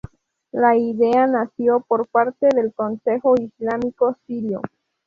La idea nació por parte del Consejo Islámico Sirio.